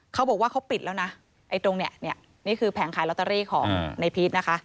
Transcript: เขาบอกว่าเขาปิดแล้วนะไอ้ตรงเนี่ยนี่คือแผงขายลอตเตอรี่ของในพีชนะคะ